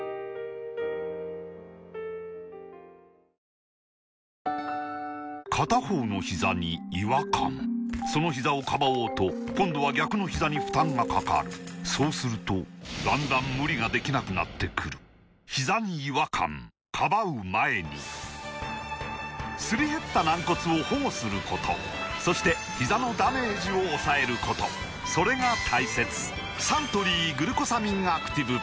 今週は片方のひざに違和感そのひざをかばおうと今度は逆のひざに負担がかかるそうするとだんだん無理ができなくなってくるすり減った軟骨を保護することそしてひざのダメージを抑えることそれが大切サントリー「グルコサミンアクティブ」